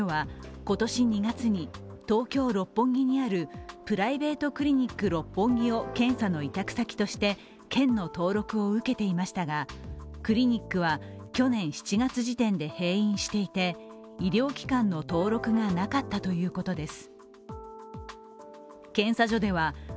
県によりますと、８カ所の検査所は今年２月に東京・六本木にあるプライベートクリニック六本木を検査の委託先として県の登録を受けていましたが、クリニックは去年７月時点で閉院していて医療期間の登録がなかったということです。